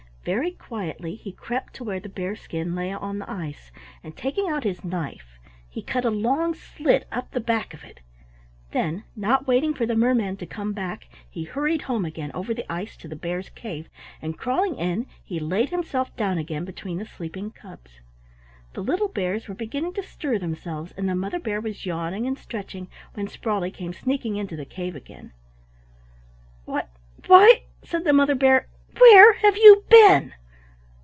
Very quietly he crept to where the bear skin lay on the ice, and taking out his knife he cut a long slit up the back of it. Then not waiting for the mermen to come back he hurried home again over the ice to the bears' cave, and crawling in he laid himself down again between the sleeping cubs. The little bears were beginning to stir themselves and the Mother Bear was yawning and stretching when Sprawley came sneaking into the cave again. "Why! why!" said the Mother Bear, "where have you been?"